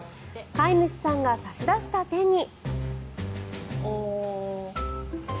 飼い主さんが差し出した手に。